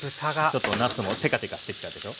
ちょっとなすもテカテカしてきたでしょ。